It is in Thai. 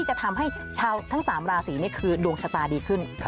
จะทำให้ทั้ง๓๔คือดวงชะตาดีขึ้น